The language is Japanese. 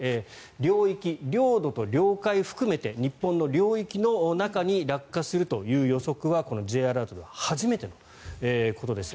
領域、領土と領海を含めて日本の領域の中に落下するという予測はＪアラートでは初めてのことでした。